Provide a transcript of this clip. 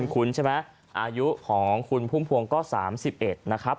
คุ้นใช่ไหมอายุของคุณพุ่มพวงก็๓๑นะครับ